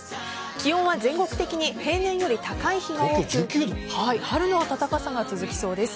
気温は全国的に平年より高い日が多く春の暖かさが続きそうです。